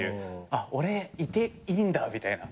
あっ俺いていいんだみたいな。